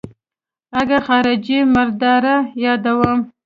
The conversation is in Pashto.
اگه خارجۍ مرداره يادوم.